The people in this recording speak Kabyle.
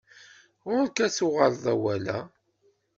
Ɣuṛ-k ad tuɣaleḍ awal-a.